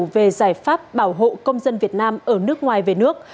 về giải pháp bảo hộ công dân việt nam ở nước ngoài về nước